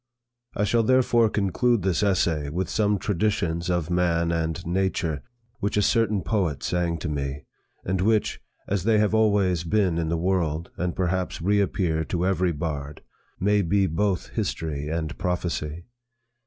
I shall therefore conclude this essay with some traditions of man and nature, which a certain poet sang to me; and which, as they have always been in the world, and perhaps reappear to every bard, may be both history and prophecy.